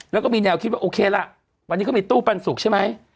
แล้วก็มีแนวคิดว่าโอเคล่ะวันนี้เขามีตู้ปันสุกใช่ไหม